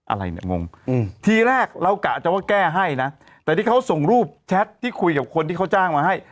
อะไรเนี่ยงงอืมทีแรกเรากะจะว่าแก้ให้นะแต่ที่เขาส่งรูปแชทที่คุยกับคนที่เขาจ้างมาให้